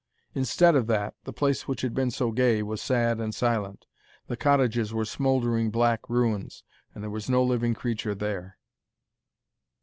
Instead of that, the place which had been so gay was sad and silent. The cottages were smouldering black ruins, and there was no living creature there.